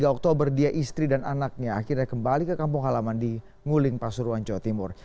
tiga oktober dia istri dan anaknya akhirnya kembali ke kampung halaman di nguling pasuruan jawa timur